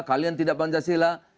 kalian tidak pancasila